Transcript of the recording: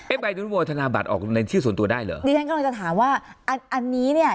ใบอนุโมธนาบัตรออกในชื่อส่วนตัวได้เหรอดิฉันกำลังจะถามว่าอันอันนี้เนี่ย